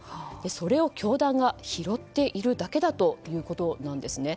それを教団が拾っているだけだということなんですね。